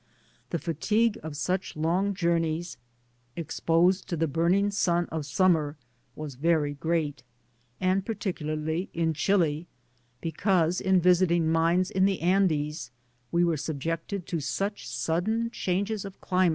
The fatigue of such long journeys, exposed to the burning sun of summer, was very great, and particularly in Chili, because, in visiting mines in the Andes, we were sub jected to such sudden changes of climate.